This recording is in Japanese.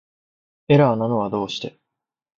エラーなのはどうして